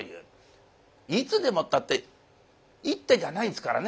いつでもったって１手じゃないですからね